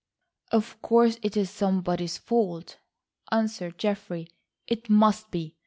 "Of course it is somebody's fault," answered Geoffrey. "It must be.